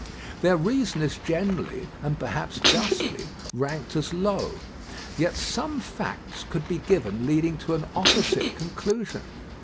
Their reason is generally, and perhaps justly, ranked as low; yet some facts could be given leading to an opposite conclusion.